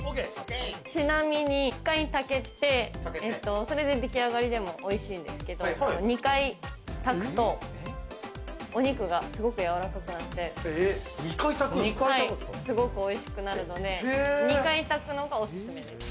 ちなみに１回、炊いて、それででき上がりでもおいしいんですけど、２回炊くと、お肉がすごくやわらかくなって、すごく美味しくなるので、２回炊くのがおすすめです。